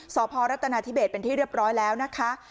สพรัฐนาธิเบสเป็นที่เรียบร้อยแล้วนะคะ